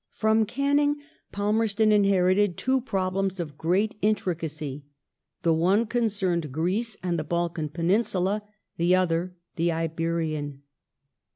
Palmer From Canning Palmerston inherited two problems of great ston's intricacy : the one concerned Greece and the Balkan Peninsula, the policy other the Iberian.